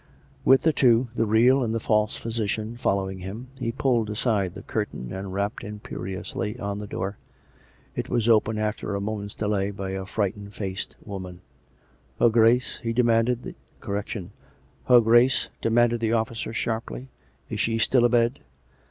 With the two, the real and the false physician following him, he pulled aside the curtain and rapped imperiously on the door. It was opened after a moment's delay by a frightened faced woman. COME RACK! COME ROPE! 307 " Her Grace ?" demanded the officer sharply. " Is she still abed?